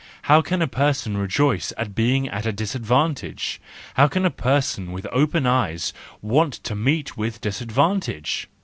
How can a person rejoice at being at a disadvantage, how can a person with open eyes want to meet with dis¬ advantage